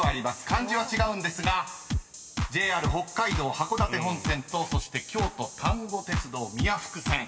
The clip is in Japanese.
［漢字は違うんですがＪＲ北海道函館本線とそして京都丹後鉄道宮福線］